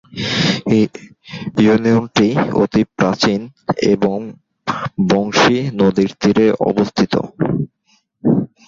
ইউনিয়নটি অতি প্রাচীন এবং বংশী নদীর তীরে অবস্থিত।